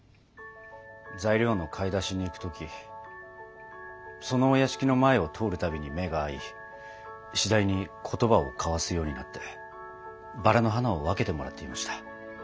材料の買い出しに行く時そのお屋敷の前を通るたびに目が合いしだいに言葉を交わすようになってバラの花を分けてもらっていました。